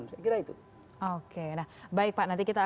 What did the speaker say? sebenarnya kemudian watang ekspo